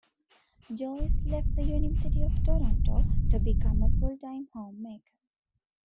Joyce left The University of Toronto to become a full-time home-maker.